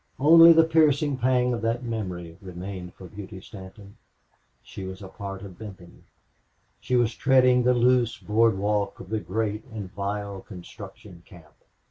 Only the piercing pang of that memory remained with Beauty Stanton. She was a part of Benton. She was treading the loose board walk of the great and vile construction camp.